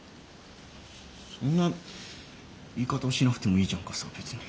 そんな言い方をしなくてもいいじゃんかさ別に。